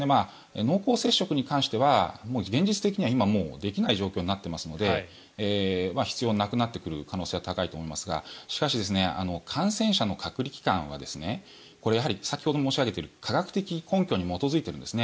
濃厚接触に関しては現実的には今もうできない状況になっていますので必要なくなってくる可能性は高いと思いますがしかし、感染者の隔離期間はこれは先ほどから申し上げている科学的根拠に基づいているんですね。